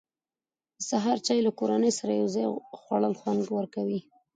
د سهار چای له کورنۍ سره یو ځای خوړل خوند ورکوي.